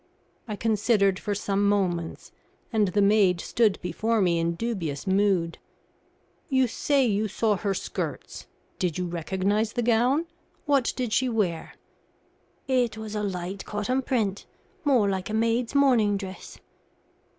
I considered for some moments, and the maid stood before me in dubious mood. "You say you saw her skirts. Did you recognise the gown? What did she wear?" "It was a light cotton print more like a maid's morning dress."